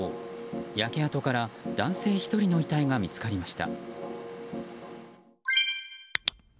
焼け跡から男性１人の遺体が見つかりました。